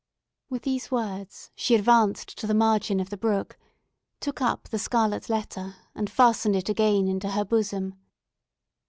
With these words she advanced to the margin of the brook, took up the scarlet letter, and fastened it again into her bosom.